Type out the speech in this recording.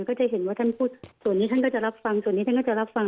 ก็จะเห็นว่าท่านพูดส่วนนี้ท่านก็จะรับฟังส่วนนี้ท่านก็จะรับฟัง